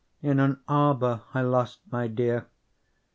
in an arbour 2 I lost my dear.